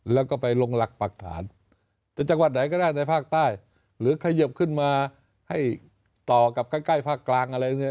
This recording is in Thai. แล้วก็ไปลงหลักปรักฐานแต่จังหวัดไหนก็ได้ในภาคใต้หรือขยิบขึ้นมาให้ต่อกับใกล้ใกล้ภาคกลางอะไรอย่างนี้